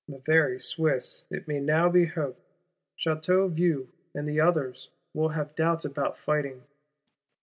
The very Swiss, it may now be hoped, Château Vieux and the others, will have doubts about fighting.